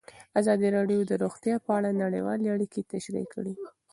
ازادي راډیو د روغتیا په اړه نړیوالې اړیکې تشریح کړي.